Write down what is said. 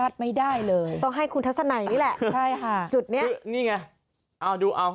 ต้องให้คุณทัศนัยนี่แหละใช่ค่ะจุดเนี้ยนี่ไงอ้าวดูอ้าว